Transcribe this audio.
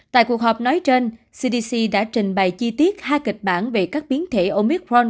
tại cuộc họp nói trên cdc đã trình bày chi tiết hai kịch bản về các biến thể omicron